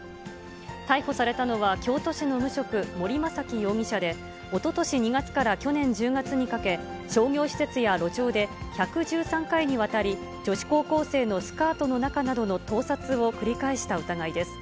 逮捕されたのは京都市の無職、森雅紀容疑者で、おととし２月から去年１０月にかけ、商業施設や路上で、１１３回にわたり、女子高校生のスカートの中などの盗撮を繰り返した疑いです。